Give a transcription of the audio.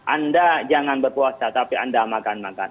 anda jangan berpuasa tapi anda makan makan